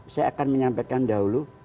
saya akan menyampaikan dahulu